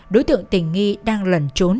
đối tượng tỉnh nghi đang lẩn trốn